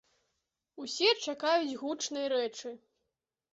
Усе чакаюць гучнай рэчы.